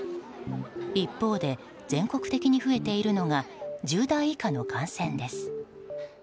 一方で、全国的に増えているのが１０代以下の感染です。